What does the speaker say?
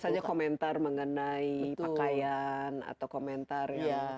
misalnya komentar mengenai pakaian atau komentar